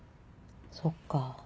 そっか。